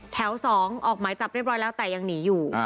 ๒ออกหมายจับเรียบร้อยแล้วแต่ยังหนีอยู่